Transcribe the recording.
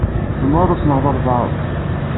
Tzemreḍ ad tenɣeḍ albaɛḍ.